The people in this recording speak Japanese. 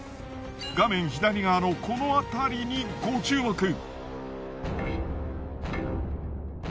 画面左側のこの辺りにご注目。